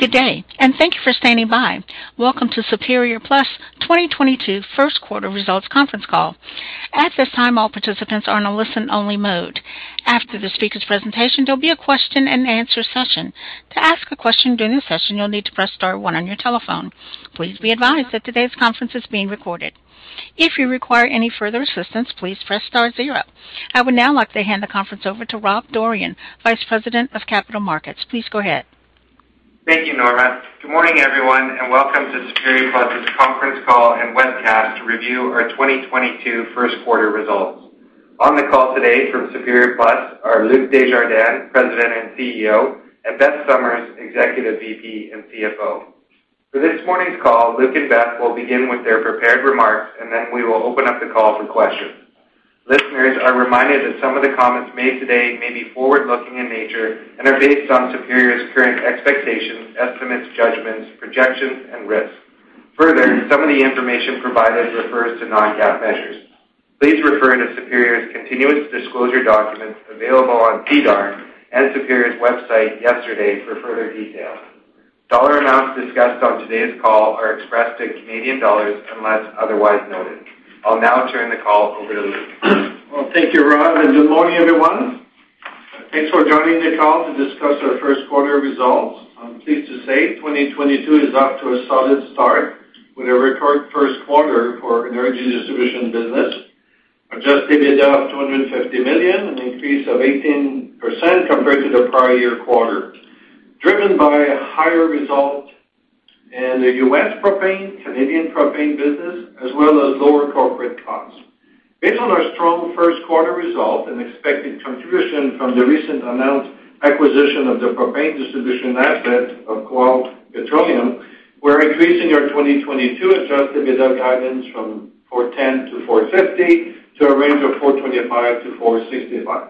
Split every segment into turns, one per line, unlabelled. Good day, and thank you for standing by. Welcome to Superior Plus 2022 First Quarter Results Conference Call. At this time, all participants are in a listen-only mode. After the speakers' presentation, there'll be a question-and-answer session. To ask a question during the session, you'll need to press star one on your telephone. Please be advised that today's conference is being recorded. If you require any further assistance, please press star zero. I would now like to hand the conference over to Rob Dorran, Vice President of Capital Markets. Please go ahead.
Thank you, Norma. Good morning, everyone, and welcome to Superior Plus' conference call and webcast to review our 2022 first quarter results. On the call today from Superior Plus are Luc Desjardins, President and CEO, and Beth Summers, Executive VP and CFO. For this morning's call, Luc and Beth will begin with their prepared remarks, and then we will open up the call for questions. Listeners are reminded that some of the comments made today may be forward-looking in nature and are based on Superior's current expectations, estimates, judgments, projections and risks. Further, some of the information provided refers to non-GAAP measures. Please refer to Superior's continuous disclosure documents available on SEDAR and Superior's website yesterday for further details. Dollar amounts discussed on today's call are expressed in Canadian dollars unless otherwise noted. I'll now turn the call over to Luc.
Well, thank you, Rob, and good morning, everyone. Thanks for joining the call to discuss our first quarter results. I'm pleased to say 2022 is off to a solid start with a record first quarter for energy distribution business. Adjusted EBITDA of 250 million, an increase of 18% compared to the prior year quarter, driven by a higher result in the U.S. propane, Canadian propane business, as well as lower corporate costs. Based on our strong first quarter results and expected contribution from the recent announced acquisition of the propane distribution assets of Quarles Petroleum, we're increasing our 2022 adjusted EBITDA guidance from 410 to 450 to a range of 425-465.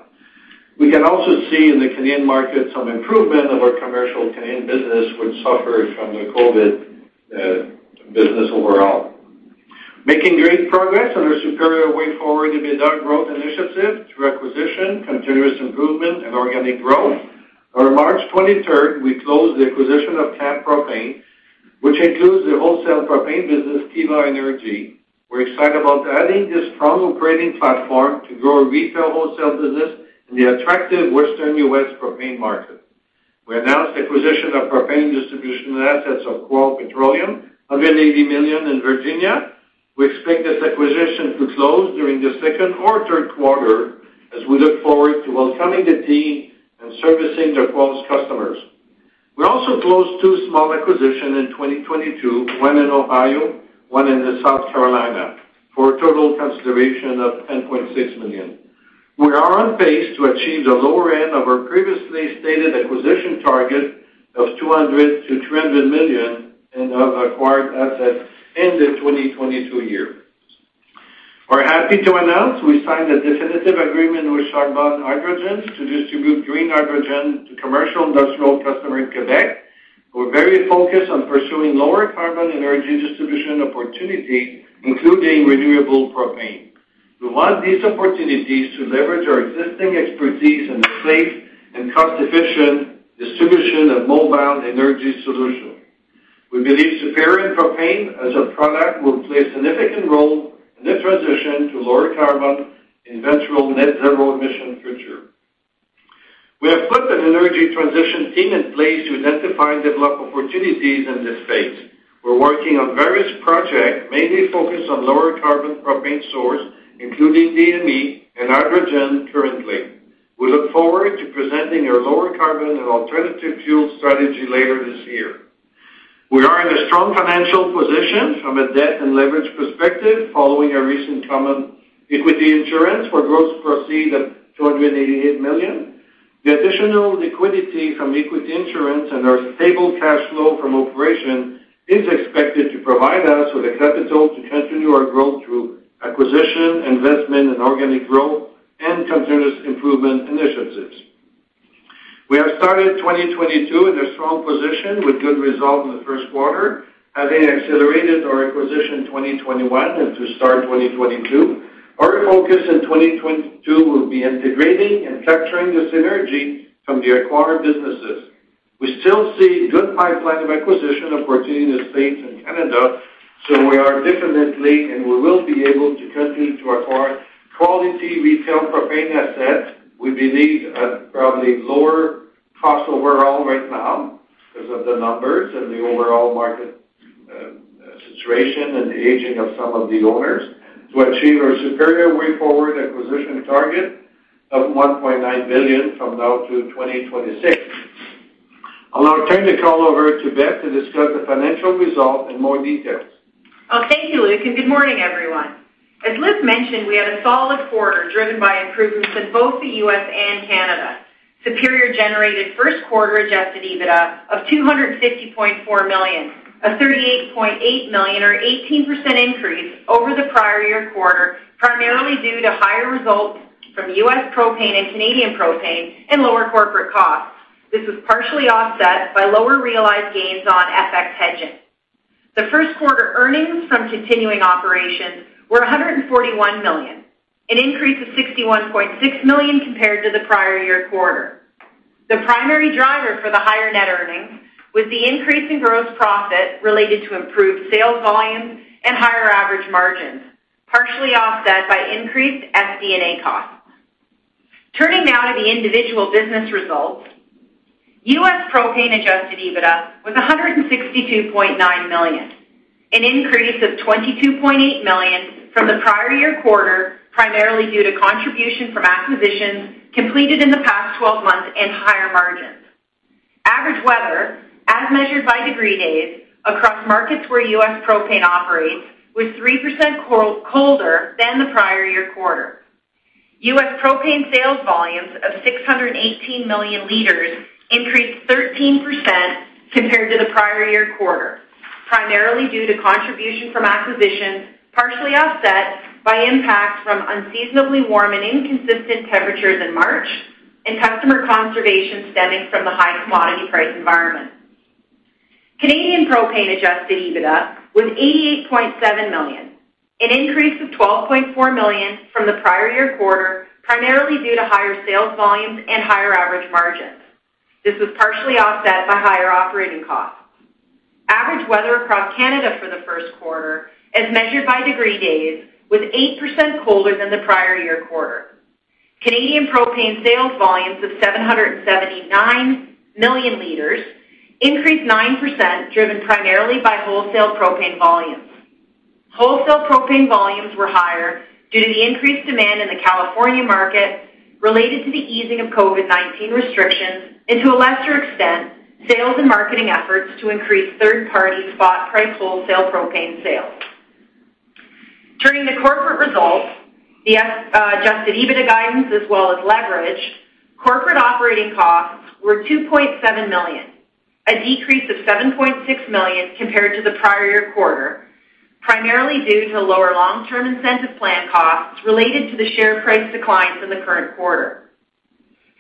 We can also see in the Canadian market some improvement of our commercial Canadian business, which suffers from the COVID business overall. Making great progress on our Superior Way Forward EBITDA growth initiative through acquisition, continuous improvement and organic growth. On March 23rd, we closed the acquisition of Kamps Propane, which includes the wholesale propane business, Kiva Energy. We're excited about adding this strong operating platform to grow retail wholesale business in the attractive western U.S. propane market. We announced acquisition of propane distribution assets of Quarles Petroleum for 80 million in Virginia. We expect this acquisition to close during the second or third quarter as we look forward to welcoming the team and servicing the Quarles's customers. We also closed two small acquisitions in 2022, one in Ohio, one in South Carolina, for a total consideration of 10.6 million. We are on pace to achieve the lower end of our previously stated acquisition target of 200 million-200 million in other acquired assets in the 2022 year. We're happy to announce we signed a definitive agreement with Charbone Hydrogen to distribute green hydrogen to commercial and industrial customers in Quebec. We're very focused on pursuing lower carbon energy distribution opportunity, including renewable propane. We want these opportunities to leverage our existing expertise in safe and cost-efficient distribution of mobile energy solutions. We believe Superior and propane as a product will play a significant role in the transition to lower carbon in eventual net zero emission future. We have put an energy transition team in place to identify and develop opportunities in this space. We're working on various projects, mainly focused on lower carbon propane source, including DME and hydrogen currently. We look forward to presenting our lower carbon and alternative fuel strategy later this year. We are in a strong financial position from a debt and leverage perspective following our recent common equity issuance for gross proceeds of CAD 288 million. The additional liquidity from equity issuance and our stable cash flow from operations is expected to provide us with the capital to continue our growth through acquisition, investment in organic growth and continuous improvement initiatives. We have started 2022 in a strong position with good results in the first quarter, having accelerated our acquisition in 2021 and into 2022. Our focus in 2022 will be integrating and capturing the synergy from the acquired businesses. We still see good pipeline of acquisition opportunities in States and Canada, so we are definitely and we will be able to continue to acquire quality retail propane assets. We believe at probably lower cost overall right now because of the numbers and the overall market, situation and the aging of some of the owners to achieve our Superior Way Forward acquisition target of 1.9 billion from now to 2026. I'll now turn the call over to Beth to discuss the financial results in more details.
Oh, thank you, Luc, and good morning, everyone. As Luc mentioned, we had a solid quarter driven by improvements in both the U.S. and Canada. Superior generated first quarter Adjusted EBITDA of 250.4 million, a 38.8 million or 18% increase over the prior year quarter, primarily due to higher results from U.S. propane and Canadian propane and lower corporate costs. This was partially offset by lower realized gains on FX hedging. The first quarter earnings from continuing operations were 141 million, an increase of 61.6 million compared to the prior year quarter. The primary driver for the higher net earnings was the increase in gross profit related to improved sales volumes and higher average margins, partially offset by increased SD&A costs. Turning now to the individual business results. U.S. Propane Adjusted EBITDA was 162.9 million, an increase of 22.8 million from the prior year quarter, primarily due to contribution from acquisitions completed in the past 12 months and higher margins. Average weather, as measured by degree days across markets where U.S. Propane operates, was 3% colder than the prior year quarter. U.S. propane sales volumes of 618 million liters increased 13% compared to the prior year quarter, primarily due to contribution from acquisitions, partially offset by impacts from unseasonably warm and inconsistent temperatures in March and customer conservation stemming from the high commodity price environment. Canadian propane Adjusted EBITDA was 88.7 million, an increase of 12.4 million from the prior year quarter, primarily due to higher sales volumes and higher average margins. This was partially offset by higher operating costs. Average weather across Canada for the first quarter, as measured by degree days, was 8% colder than the prior year quarter. Canadian propane sales volumes of 779 million liters increased 9%, driven primarily by wholesale propane volumes. Wholesale propane volumes were higher due to the increased demand in the California market related to the easing of COVID-19 restrictions and to a lesser extent, sales and marketing efforts to increase third-party spot price wholesale propane sales. Turning to corporate results, the Adjusted EBITDA guidance as well as leverage, corporate operating costs were 2.7 million, a decrease of 7.6 million compared to the prior year quarter, primarily due to lower long-term incentive plan costs related to the share price declines in the current quarter.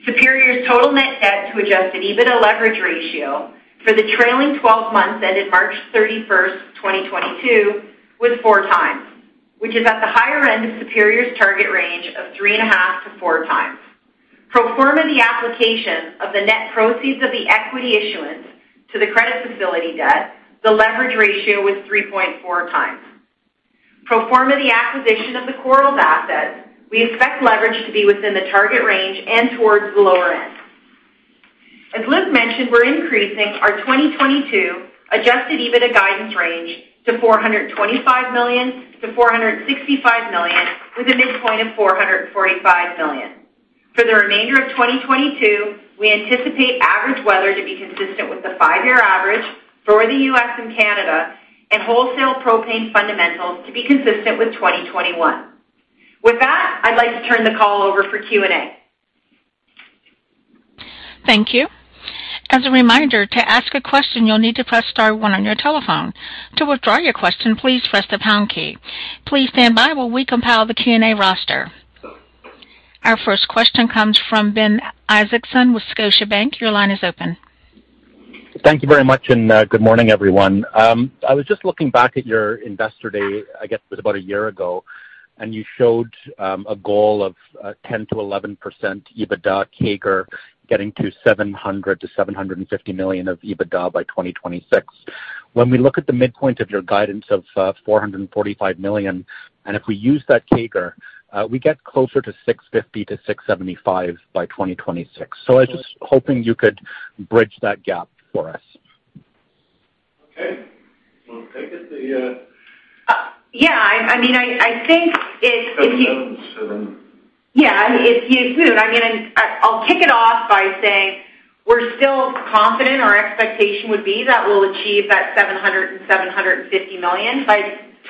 Superior's total net debt to Adjusted EBITDA leverage ratio for the trailing twelve months ended March 31st, 2022 was 4 times, which is at the higher end of Superior's target range of 3.5-4 times. Pro forma the application of the net proceeds of the equity issuance to the credit facility debt, the leverage ratio was 3.4 times. Pro forma the acquisition of the Quarles' assets, we expect leverage to be within the target range and towards the lower end. As Luc mentioned, we're increasing our 2022 Adjusted EBITDA guidance range to 425 million-465 million with a midpoint of 445 million. For the remainder of 2022, we anticipate average weather to be consistent with the five year average for the U.S. and Canada, and wholesale propane fundamentals to be consistent with 2021. With that, I'd like to turn the call over for Q&A.
Thank you. As a reminder, to ask a question, you'll need to press star one on your telephone. To withdraw your question, please press the pound key. Please stand by while we compile the Q&A roster. Our first question comes from Ben Isaacson with Scotiabank. Your line is open.
Thank you very much, and good morning, everyone. I was just looking back at your investor day, I guess it was about a year ago, and you showed a goal of 10%-11% EBITDA CAGR, getting to 700 million-750 million of EBITDA by 2026. When we look at the midpoint of your guidance of 445 million, and if we use that CAGR, we get closer to 650 million-675 million by 2026. I was just hoping you could bridge that gap for us.
Okay. Well, I guess the.
Yeah, I mean, I think if you
Seven
Yeah, if you include I mean, I'll kick it off by saying we're still confident our expectation would be that we'll achieve that 700 million-750 million by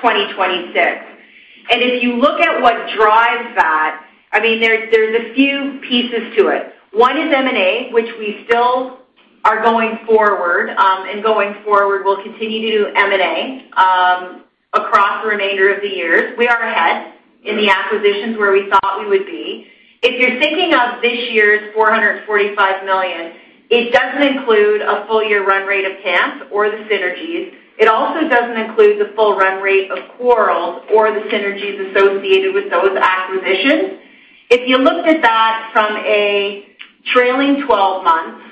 2026. If you look at what drives that, I mean, there's a few pieces to it. One is M&A, which we still are going forward, and going forward, we'll continue to do M&A across the remainder of the years. We are ahead in the acquisitions where we thought we would be. If you're thinking of this year's 445 million, it doesn't include a full year run rate of Kamps or the synergies. It also doesn't include the full run rate of Quarles or the synergies associated with those acquisitions. If you looked at that from a trailing twelve months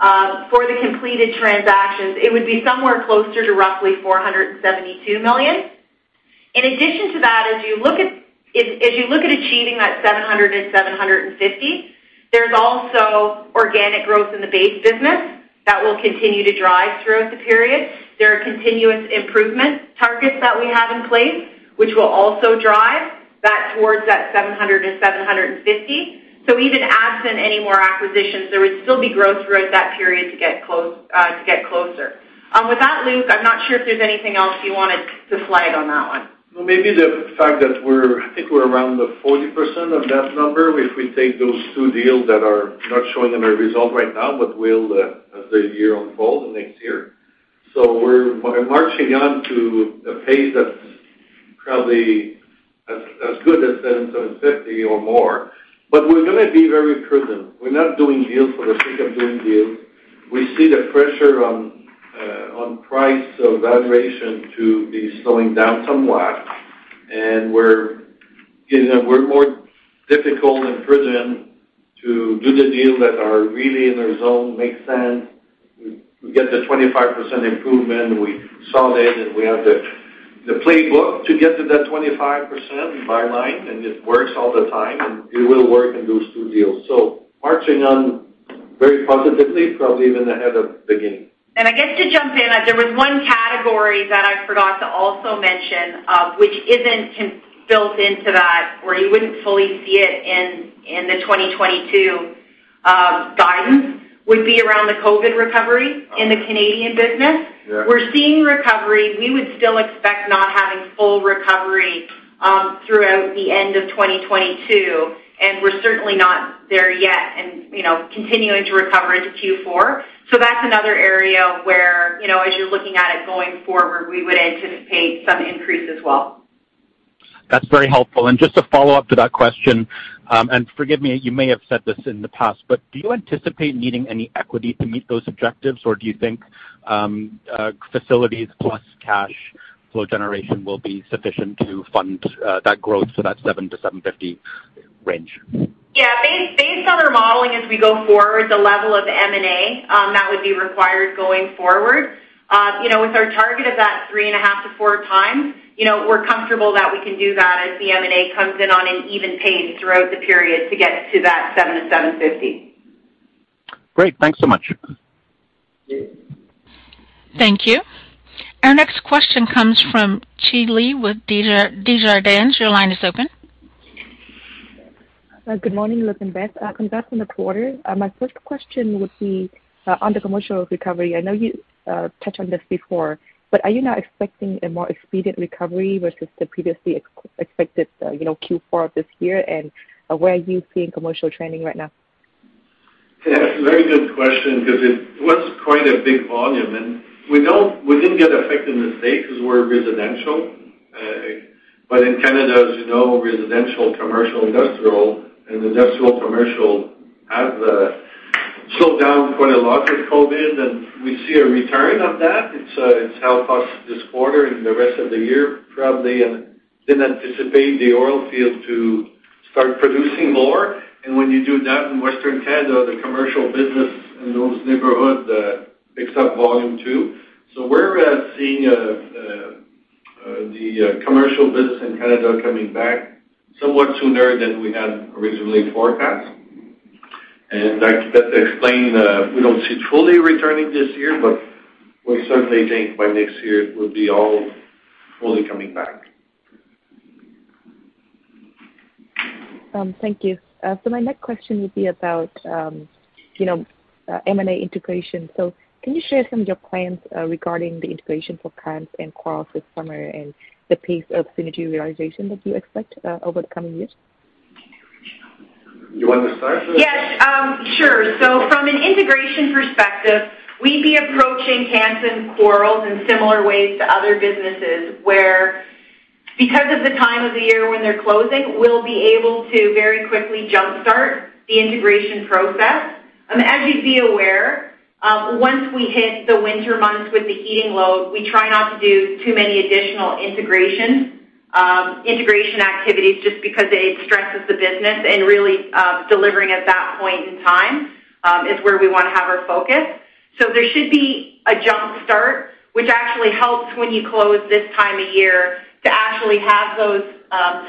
for the completed transactions, it would be somewhere closer to roughly 472 million. In addition to that, if you look at achieving that 750, there's also organic growth in the base business that will continue to drive throughout the period. There are continuous improvement targets that we have in place, which will also drive that towards that 750. Even absent any more acquisitions, there would still be growth throughout that period to get closer. With that, Luc, I'm not sure if there's anything else you wanted to flag on that one.
Well, maybe the fact that we're I think we're around the 40% of that number if we take those two deals that are not showing in our result right now, but will, as the year unfolds next year. We're marching on to a pace that's probably as good as 750 or more. We're gonna be very prudent. We're not doing deals for the sake of doing deals. We see the pressure on pricing, so valuations to be slowing down somewhat, and we're, you know, we're more difficult and prudent to do the deals that are really in the zone, makes sense. We get the 25% improvement, we saw that, and we have the playbook to get to that 25% by line, and it works all the time, and it will work in those two deals. Marching on very positively, probably even ahead of the game.
I guess to jump in, there was one category that I forgot to also mention, which isn't built into that, where you wouldn't fully see it in the 2022 guidance, would be around the COVID recovery in the Canadian business.
Yeah.
We're seeing recovery. We would still expect not having full recovery throughout the end of 2022, and we're certainly not there yet and, you know, continuing to recover into Q4. That's another area where, you know, as you're looking at it going forward, we would anticipate some increase as well.
That's very helpful. Just a follow-up to that question, and forgive me, you may have said this in the past, but do you anticipate needing any equity to meet those objectives, or do you think facilities plus cash flow generation will be sufficient to fund that growth to that 700-750 range?
Yeah. Based on our modeling as we go forward, the level of M&A that would be required going forward, you know, with our target of that 3.5 to 4 times, you know, we're comfortable that we can do that as the M&A comes in on an even pace throughout the period to get to that $700-$750.
Great. Thanks so much.
Yeah.
Thank you. Our next question comes from Chi Le with Desjardins. Your line is open.
Good morning, Luc and Beth. Congrats on the quarter. My first question would be on the commercial recovery. I know you touched on this before, but are you now expecting a more expedient recovery versus the previously expected, you know, Q4 of this year? Where are you seeing commercial trending right now?
Yeah, very good question because it was quite a big volume. We didn't get affected in the States because we're residential. In Canada, as you know, residential, commercial, industrial have slowed down quite a lot with COVID, and we see a return of that. It's helped us this quarter and the rest of the year, probably, and then anticipate the oil field to start producing more. When you do that in Western Canada, the commercial business in those neighborhoods picks up volume too. We're seeing the commercial business in Canada coming back somewhat sooner than we had originally forecast. That explain we don't see it fully returning this year, but we certainly think by next year it will be all fully coming back.
Thank you. My next question would be about, you know, M&A integration. Can you share some of your plans regarding the integration for Kamps and Quarles this summer and the pace of synergy realization that you expect over the coming years?
You want to start or?
Yes, sure. From an integration perspective, we'd be approaching Kamps and Quarles in similar ways to other businesses where because of the time of the year when they're closing, we'll be able to very quickly jumpstart the integration process. As you'd be aware, once we hit the winter months with the heating load, we try not to do too many additional integration activities just because it stresses the business and really, delivering at that point in time, is where we wanna have our focus. There should be a jumpstart, which actually helps when you close this time of year to actually have those,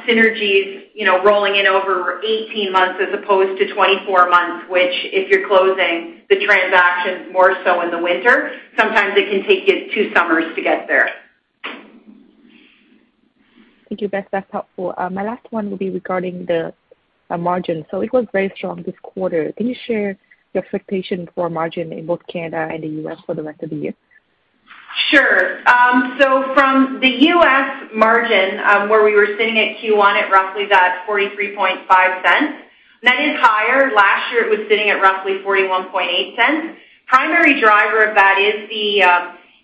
synergies, you know, rolling in over 18 months as opposed to 24 months, which if you're closing the transaction more so in the winter, sometimes it can take you two summers to get there.
Thank you, Beth. That's helpful. My last one will be regarding the margin. It was very strong this quarter. Can you share your expectation for margin in both Canada and the U.S. For the rest of the year?
Sure. From the U.S. Margin, where we were sitting at Q1 at roughly that $0.435, that is higher. Last year, it was sitting at roughly $0.418. Primary driver of that is the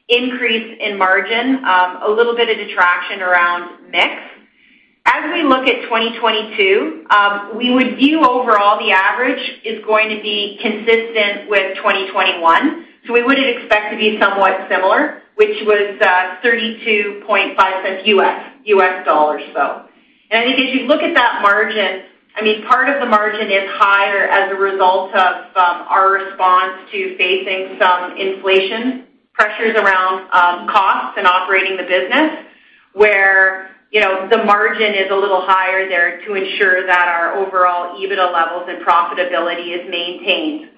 increase in margin, a little bit of detraction around mix. As we look at 2022, we would view overall the average is going to be consistent with 2021, so we would expect to be somewhat similar, which was $0.325 US dollars. And I think if you look at that margin, I mean, part of the margin is higher as a result of our response to facing some inflation pressures around costs and operating the business where, you know, the margin is a little higher there to ensure that our overall EBITDA levels and profitability is maintained.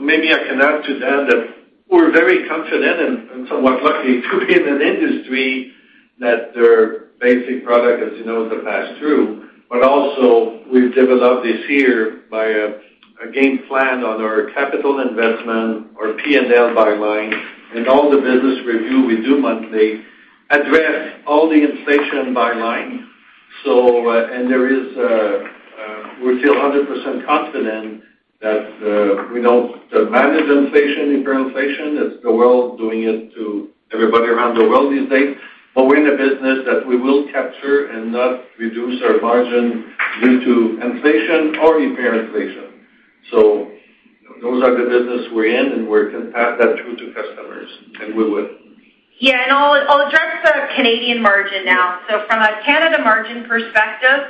Maybe I can add to that we're very confident and somewhat lucky to be in an industry where the basic product, as you know, is a pass-through. Also, we've developed this year a game plan on our capital investment, our P&L by line, and all the business review we do monthly address all the inflation by line. We feel 100% confident that we don't manage inflation, higher inflation. It's the world doing it to everybody around the world these days. We're in a business that we will capture and not reduce our margin due to inflation or higher inflation. Those are the business we're in, and we're gonna pass that through to customers, and we will.
Yeah. I'll address the Canadian margin now. From a Canadian margin perspective,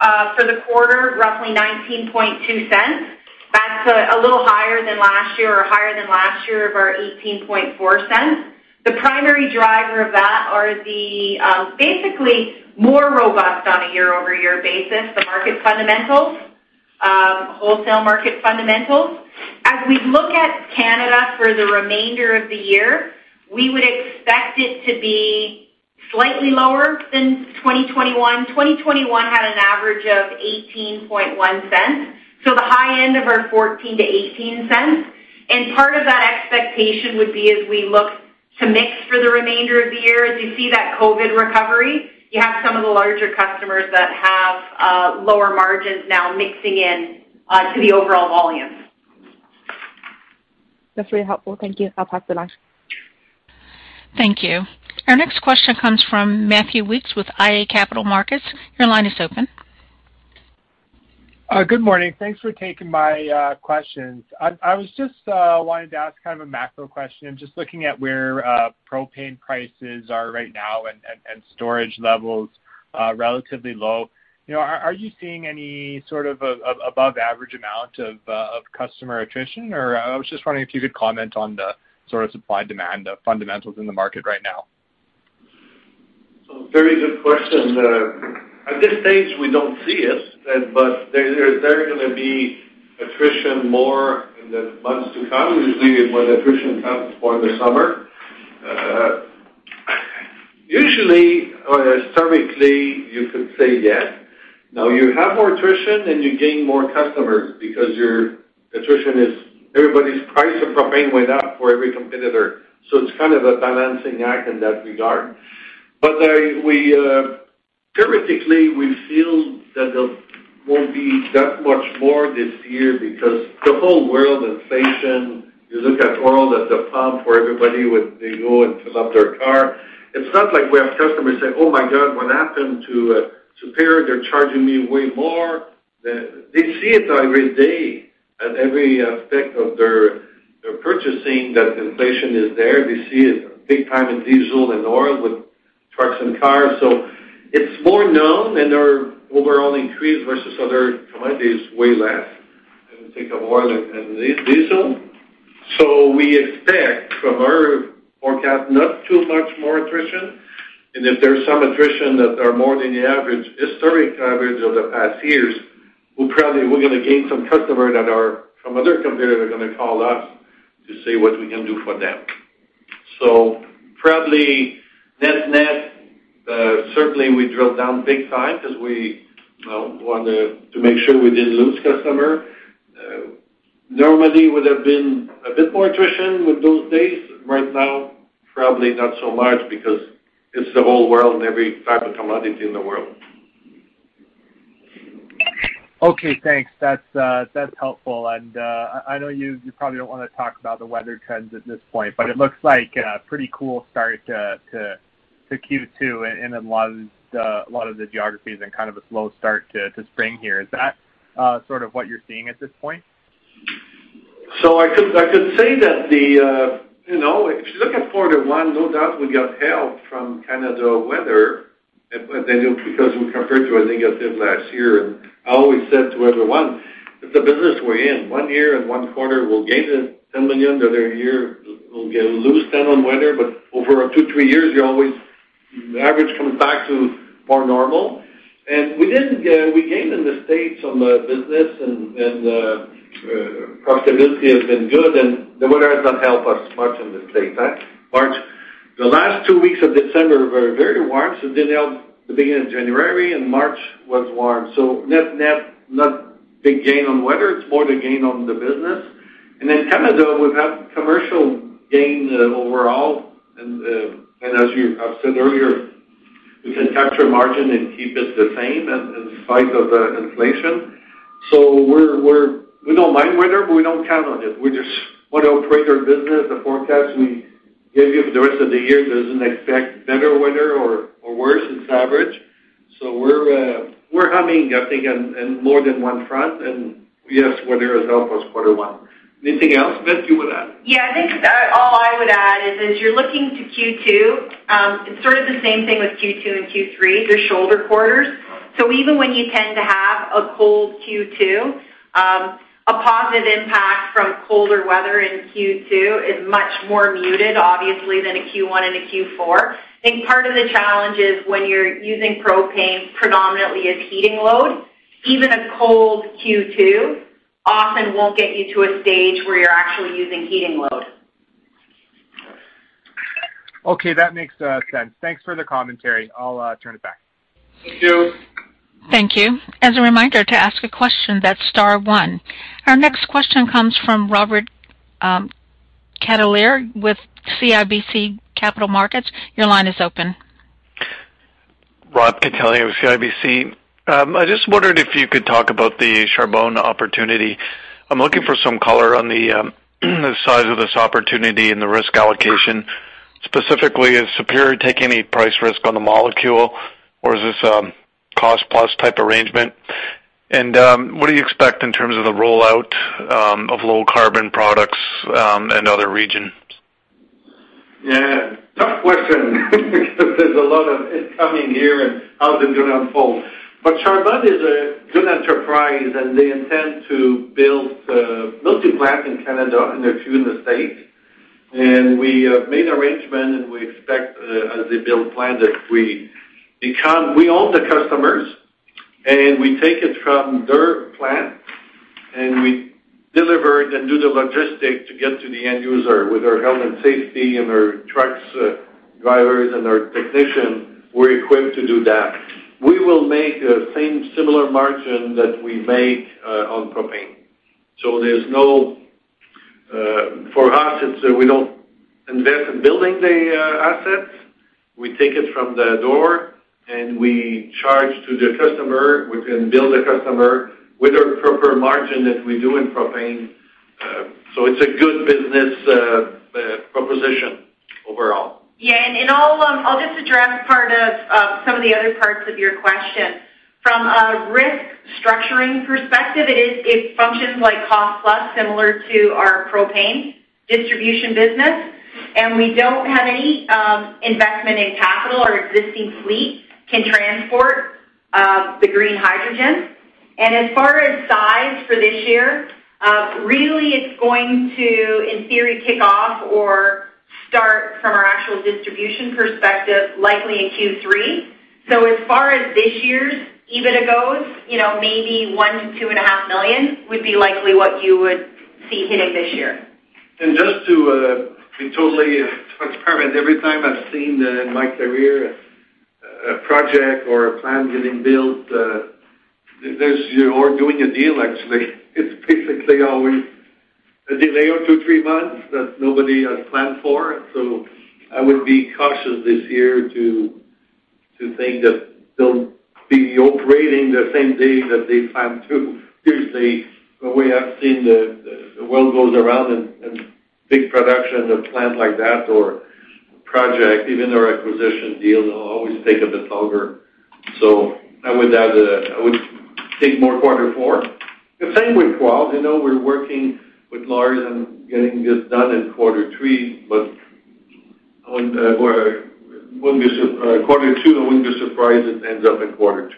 for the quarter, roughly 0.192. That's a little higher than last year of our 0.184. The primary driver of that are basically more robust on a year-over-year basis, the market fundamentals, wholesale market fundamentals. As we look at Canada for the remainder of the year, we would expect it to be slightly lower than 2021. 2021 had an average of 0.181, the high end of our 0.14-0.18. Part of that expectation would be as we look to mix for the remainder of the year, as you see that COVID recovery, you have some of the larger customers that have lower margins now mixing in to the overall volume.
That's really helpful. Thank you. I'll pass to the line.
Thank you. Our next question comes from Matthew Weekes with iA Capital Markets. Your line is open.
Good morning. Thanks for taking my questions. I was just wanting to ask kind of a macro question, just looking at where propane prices are right now and storage levels relatively low. You know, are you seeing any sort of above-average amount of customer attrition? Or I was just wondering if you could comment on the sort of supply-demand fundamentals in the market right now.
Very good question. At this stage we don't see it. Is there gonna be attrition more in the months to come? Usually, when attrition comes for the summer, historically, you could say yes. Now you have more attrition, and you gain more customers because your attrition is everybody's price of propane went up for every competitor. It's kind of a balancing act in that regard. Theoretically we feel that there won't be that much more this year because the whole world inflation, you look at oil at the pump where everybody, they go and fill up their car. It's not like we have customers saying, "Oh my god, what happened to propane? They're charging me way more." They see it every day at every aspect of their purchasing that inflation is there. They see it big time in diesel and oil with trucks and cars. It's more known, and our overall increase versus other commodities way less than think of oil and diesel. We expect from our forecast not too much more attrition. If there's some attrition that are more than the average, historic average of the past years, we're gonna gain some customer that are from other competitors are gonna call us to see what we can do for them. Probably net-net, certainly we drill down big time because we want to make sure we didn't lose customer. Normally would have been a bit more attrition with those days. Right now, probably not so much because it's the whole world and every type of commodity in the world.
Okay, thanks. That's helpful. I know you probably don't wanna talk about the weather trends at this point, but it looks like a pretty cool start to Q2 in a lot of the geographies and kind of a slow start to spring here. Is that sort of what you're seeing at this point?
I could say that, you know, if you look at quarter one, no doubt we got help from Canada weather, but then because we compared to a negative last year. I always said to everyone, it's the business we're in. One year and one quarter we'll gain 10 million, the other year we'll lose ten on weather. Over two, three years, you always the average comes back to more normal. We didn't, we gained in the States on the business and profitability has been good, and the weather has not helped us much in the state. March the last two weeks of December were very warm, so it didn't help the beginning of January, and March was warm. Net-net, not big gain on weather. It's more the gain on the business. In Canada, we've had commercial gain overall. As you have said earlier, we can capture margin and keep it the same in spite of inflation. We don't mind weather, but we don't count on it. We just want to operate our business. The forecast we give you for the rest of the year doesn't expect better weather or worse. It's average. We're humming, I think, on more than one front. Yes, weather has helped us quarter one. Anything else, Beth, you would add?
Yeah, I think all I would add is as you're looking to Q2, it's sort of the same thing with Q2 and Q3. They're shoulder quarters. So even when you tend to have a cold Q2, a positive impact from colder weather in Q2 is much more muted obviously than a Q1 and a Q4. I think part of the challenge is when you're using propane predominantly as heating load, even a cold Q2 often won't get you to a stage where you're actually using heating load.
Okay, that makes sense. Thanks for the commentary. I'll turn it back.
Thank you.
Thank you. As a reminder to ask a question, that's star one. Our next question comes from Robert Catellier with CIBC Capital Markets. Your line is open.
Robert Catellier with CIBC. I just wondered if you could talk about the Charbone opportunity. I'm looking for some color on the size of this opportunity and the risk allocation. Specifically, is Superior taking any price risk on the molecule or is this cost plus type arrangement? What do you expect in terms of the rollout of low carbon products in other regions?
Yeah. Tough question because there's a lot of it coming here and how it's gonna unfold. Charbone is a good enterprise and they intend to build multiple plants in Canada and a few in the States. We have made arrangement and we expect, as they build plants, we own the customers and we take it from their plants and we deliver it and do the logistics to get to the end user with our health and safety and our trucks, drivers and our technicians, we're equipped to do that. We will make the same similar margin that we make on propane. There's no. For us, it's we don't invest in building the assets. We take it from the door and we charge to the customer. We can bill the customer with our proper margin as we do in propane. It's a good business proposition overall.
Yeah. I'll just address part of some of the other parts of your question. From a risk structuring perspective, it functions like cost plus similar to our propane distribution business. We don't have any investment in capital. Our existing fleet can transport the green hydrogen. As far as size for this year, really it's going to, in theory, kick off or start from our actual distribution perspective likely in Q3. As far as this year's EBITDA goes, you know, maybe 1 million-2.5 million would be likely what you would see hitting this year.
Just to be totally transparent, every time I've seen in my career a project or a plant getting built, or doing a deal actually, it's basically always a delay of two to three months that nobody has planned for. I would be cautious this year to think that they'll be operating the same day that they plan to. Usually, the way I've seen the world goes around and big production of plants like that or project, even our acquisition deals will always take a bit longer. I would think more quarter four. The same with Coral. I know we're working with Quarles on getting this done in quarter three, but I wouldn't be surprised if it ends up in quarter two.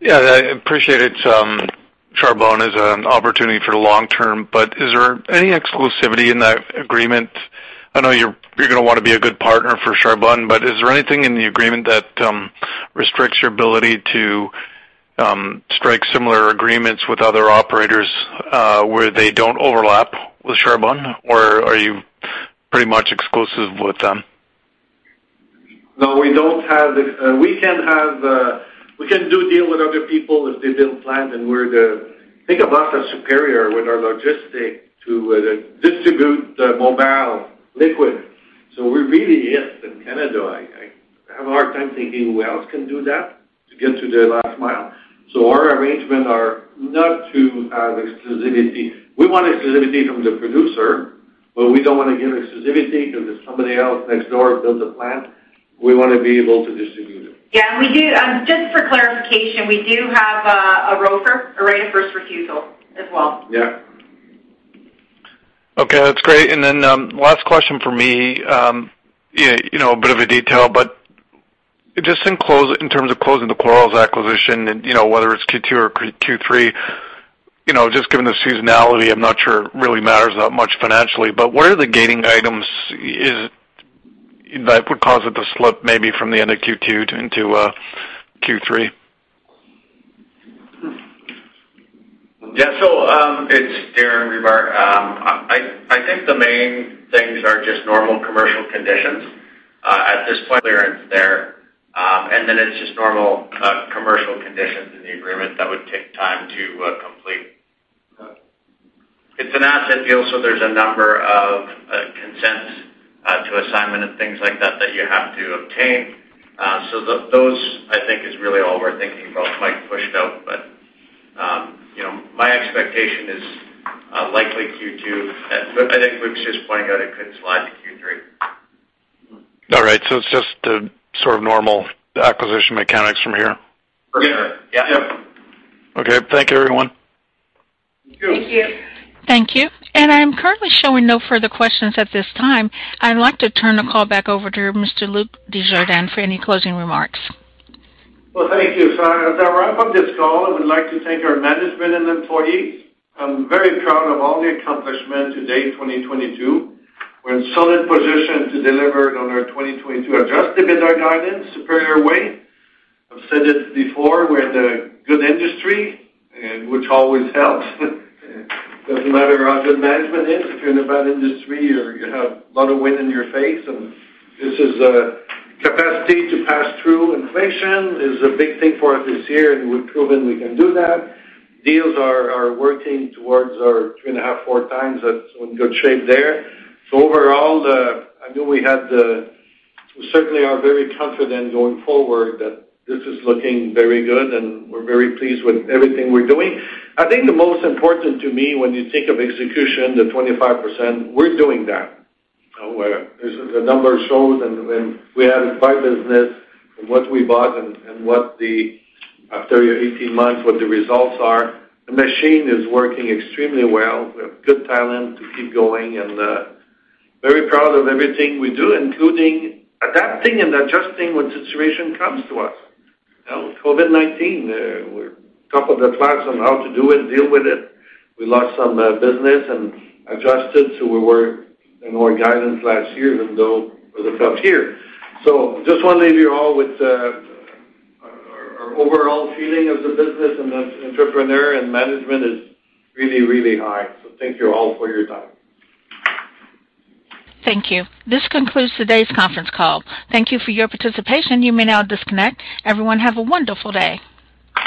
Yeah. I appreciate it's Charbone is an opportunity for the long term, but is there any exclusivity in that agreement? I know you're gonna wanna be a good partner for Charbone, but is there anything in the agreement that restricts your ability to strike similar agreements with other operators where they don't overlap with Charbone or are you pretty much exclusive with them?
No, we don't have. We can do deals with other people if they build plant. Think of us as Superior with our logistics to distribute the mobile liquid. We're really it in Canada. I have a hard time thinking who else can do that to get to the last mile. Our arrangements are not to have exclusivity. We want exclusivity from the producer, but we don't wanna give exclusivity because if somebody else next door builds a plant, we wanna be able to distribute it.
Yeah. We do, just for clarification, we do have a ROFR, a right of first refusal as well.
Yeah.
Okay, that's great. Last question from me. You know, a bit of a detail, but just to close the Quarles acquisition and, you know, whether it's Q2 or Q3, you know, just given the seasonality, I'm not sure it really matters that much financially. What are the gating items that would cause it to slip maybe from the end of Q2 into Q3?
Hey everyone. I think the main things are just normal commercial conditions. At this point, clearance there. It's just normal commercial conditions in the agreement that would take time to complete.
Okay.
It's an asset deal, so there's a number of consents to assignment and things like that that you have to obtain. So those I think is really all we're thinking about might push it out. But you know, my expectation is likely Q2. I think Luc was just pointing out it could slide to Q3.
All right. It's just the sort of normal acquisition mechanics from here.
Yeah. Yep.
Okay. Thank you everyone.
Thank you.
Thank you.
Thank you. I am currently showing no further questions at this time. I'd like to turn the call back over to Mr. Luc Desjardins for any closing remarks.
Well, thank you. As I wrap up this call, I would like to thank our management and employees. I'm very proud of all the accomplishments to date, 2022. We're in solid position to deliver on our 2022 Adjusted EBITDA guidance, Superior Way. I've said it before, we're in a good industry in which always helps. Doesn't matter how good management is, if you're in a bad industry or you have a lot of wind in your face. This capacity to pass through inflation is a big thing for us this year, and we've proven we can do that. Deals are working towards our 3.5-4 times. That's in good shape there. Overall, we certainly are very confident going forward that this is looking very good and we're very pleased with everything we're doing. I think the most important to me when you think of execution, the 25%, we're doing that. Where the numbers show and we added five businesses from what we bought and, after your 18 months, what the results are. The machine is working extremely well. We have good talent to keep going and very proud of everything we do, including adapting and adjusting when situation comes to us. You know, COVID-19, we're top of the class on how to do it, deal with it. We lost some business and adjusted, so we were in our guidance last year even though it was a tough year. Just wanna leave you all with our overall feeling of the business and the entrepreneur and management is really, really high. Thank you all for your time.
Thank you. This concludes today's conference call. Thank you for your participation. You may now disconnect. Everyone, have a wonderful day.